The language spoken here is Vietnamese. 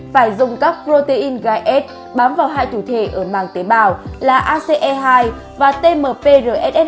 phải dùng các protein gai s bám vào hai thụ thể ở màng tế bào là ace hai và tmprss hai